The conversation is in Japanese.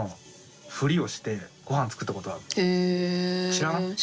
知らない？